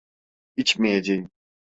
İçmeyeceğim.